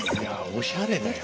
おしゃれだよね。